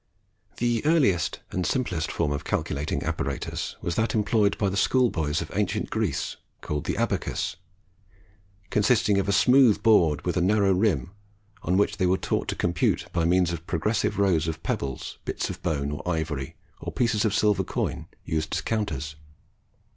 The earliest and simplest form of calculating apparatus was that employed by the schoolboys of ancient Greece, called the Abacus; consisting of a smooth board with a narrow rim, on which they were taught to compute by means of progressive rows of pebbles, bits of bone or ivory, or pieces of silver coin, used as counters.